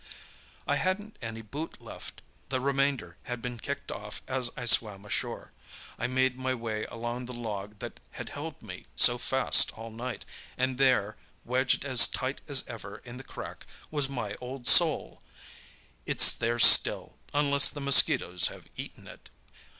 "I hadn't any boot left—the remainder had been kicked off as I swam ashore. I made my way along the log that had held me so fast all night, and there, wedged as tight as ever in the crack, was my old sole! It's there still—unless the mosquitoes have eaten it.